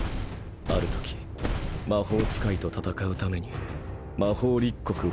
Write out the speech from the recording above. あるとき魔法使いと戦うために魔法立国